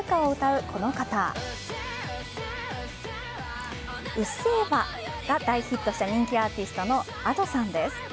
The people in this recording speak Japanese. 「うっせぇわ」が大ヒットした人気アーティストのＡｄｏさんです。